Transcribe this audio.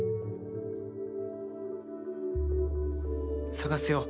探すよ。